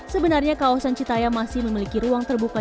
sebenarnya kawasan citaya masih memiliki ruang terbuka